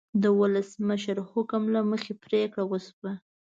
د ولسمشر حکم له مخې پریکړه وشوه.